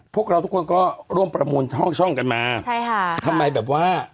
พวกเราทุกคนก็ร่วมประมูลช่องช่องกันมาใช่ค่ะทำไมแบบว่า